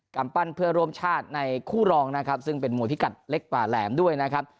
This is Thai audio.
กำปั้นเพื่อร่วมชาติในคู่รองนะครับซึ่งเป็นมวยพิกัดเล็กกว่าแหลมด้วยนะครับ